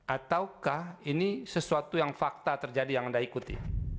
ataukah ini sesuatu yang fakta terjadi yang anda ikuti